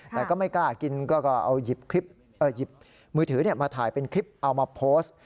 แต่ก็ไม่กล้ากินก็เอาหยิบมือถือมาถ่ายเป็นคลิปเอามาโพสต์